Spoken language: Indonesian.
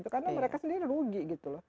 karena mereka sendiri rugi